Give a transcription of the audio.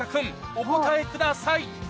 お答えください